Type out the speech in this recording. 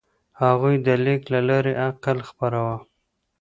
هغوی د لیک له لارې عقل خپراوه.